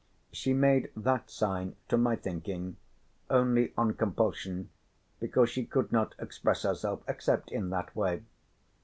She made that sign to my thinking only on compulsion because she could not express herself except in that way.